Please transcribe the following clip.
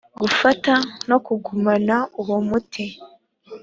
gufata no kugumana uwo umuti